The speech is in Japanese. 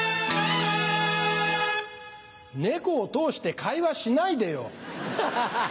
猫を通して会話しないでよ。